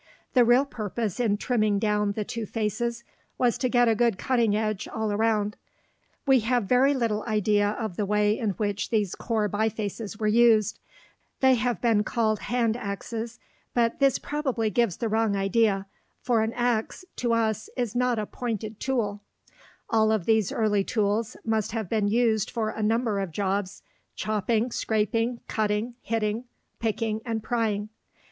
The real purpose in trimming down the two faces was to get a good cutting edge all around. You can see all this in the illustration. [Illustration: ABBEVILLIAN BIFACE] We have very little idea of the way in which these core bifaces were used. They have been called "hand axes," but this probably gives the wrong idea, for an ax, to us, is not a pointed tool. All of these early tools must have been used for a number of jobs chopping, scraping, cutting, hitting, picking, and prying.